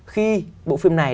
khi bộ phim này